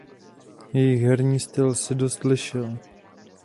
Jejich herní styl se dost lišil.